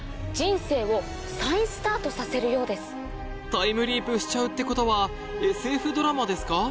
タイムリープしちゃうってことはＳＦドラマですか？